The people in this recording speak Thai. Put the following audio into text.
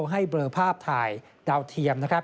ให้เบลอภาพถ่ายดาวเทียม